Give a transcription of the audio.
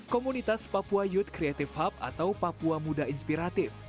komunitas papua youth creative hub atau papua muda inspiratif